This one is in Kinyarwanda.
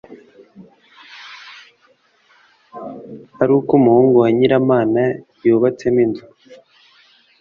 ari uko umuhungu wa nyiramana yubatsemo inzu